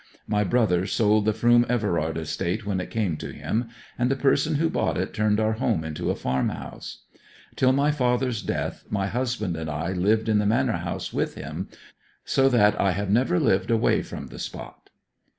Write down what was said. My brother sold the Froom Everard estate when it came to him, and the person who bought it turned our home into a farmhouse. Till my father's death my husband and I lived in the manor house with him, so that I have never lived away from the spot.'